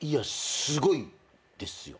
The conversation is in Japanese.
すごいですよ。